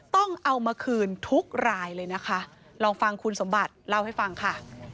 ต้องเอามาคืนทุกรายเลยนะคะลองฟังคุณสมบัติเล่าให้ฟังค่ะ